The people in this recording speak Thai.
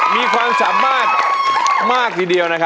มีความสามารถมากที่เดียว